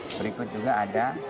berikut juga ada